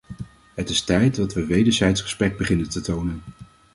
Het is tijd dat we wederzijds respect beginnen te tonen.